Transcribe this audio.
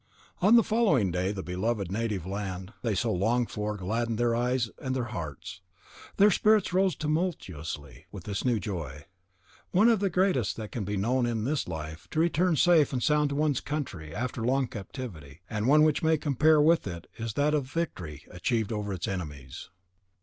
On the following day the beloved native land they so longed for gladdened their eyes and their hearts. Their spirits rose tumultuously with this new joy, one of the greatest that can be known in this life, to return safe and sound to one's country after long captivity; and one which may compare with it is that of victory achieved over its enemies.